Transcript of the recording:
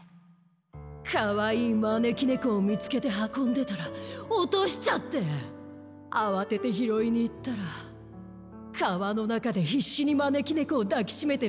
かわいいまねきねこをみつけてはこんでたらおとしちゃってあわててひろいにいったらかわのなかでひっしにまねきねこをだきしめてるひとがいたんだ。